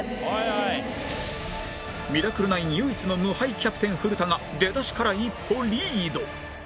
『ミラクル９』唯一の無敗キャプテン古田が出だしから一歩リード